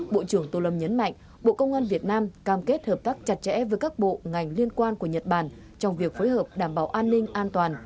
bộ trưởng tô lâm nhấn mạnh bộ công an việt nam cam kết hợp tác chặt chẽ với các bộ ngành liên quan của nhật bản trong việc phối hợp đảm bảo an ninh an toàn